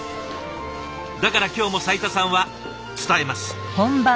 だから今日も斉田さんは伝えます。